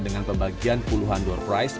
dengan pembagian puluhan door price